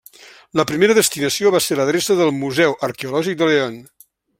La primera destinació va ser l'adreça del Museu Arqueològic de León.